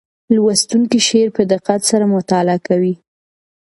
لوستونکی شعر په دقت سره مطالعه کوي.